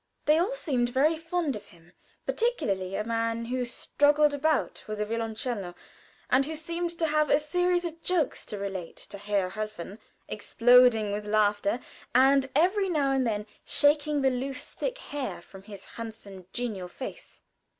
They all seemed very fond of him, particularly a man who struggled about with a violoncello, and who seemed to have a series of jokes to relate to Herr Helfen, exploding with laughter, and every now and then shaking the loose thick hair from his handsome, genial face.